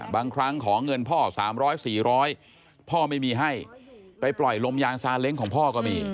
บางครั้งขอเงินพ่อ๓๐๐๔๐๐พ่อไม่มีให้ไปปล่อยลมยางซาเล้งของพ่อก็มี